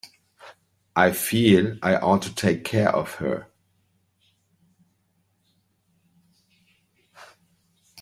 I feel I ought to take care of her.